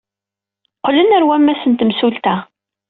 Qqlen ɣer wammas n temsulta.